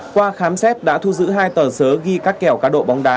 qua khám xét đã thu giữ hai tờ sớ ghi các kẻo cá độ bóng đá